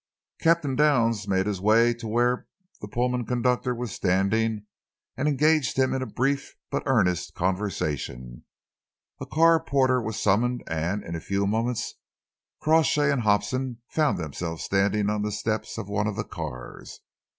Captain Downs made his way to where the Pullman conductor was standing and engaged him in a brief but earnest conversation. A car porter was summoned, and in a few moments Crawshay and Hobson found themselves standing on the steps of one of the cars.